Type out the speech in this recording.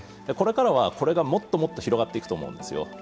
これからはこれがもっともっと広がっていくと思うんですよ。